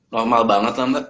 normal banget lah mbak